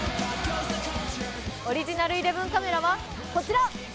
オリジナル１１カメラはこちら！